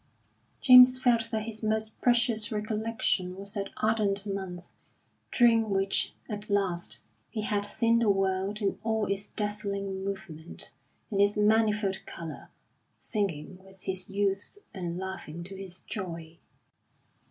James felt that his most precious recollection was that ardent month, during which, at last, he had seen the world in all its dazzling movement, in its manifold colour, singing with his youth and laughing to his joy.